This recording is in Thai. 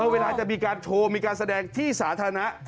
เวลาจะมีการโชว์มีการแสดงที่สาธารณะ